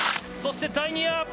そして、第２エア。